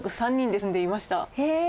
へえ！